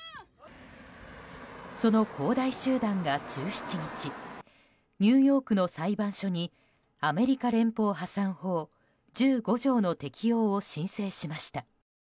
その恒大集団が１７日ニューヨークの裁判所にアメリカ連邦破産法１５条の適用を申請しました。